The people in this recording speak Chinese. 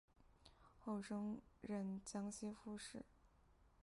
后升任江西副使。